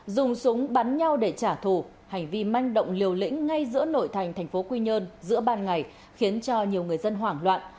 dùng súng bắn nhau để trả thù hành vi manh động liều lĩnh ngay giữa nội thành thành phố quy nhơn giữa ban ngày khiến cho nhiều người dân hoảng loạn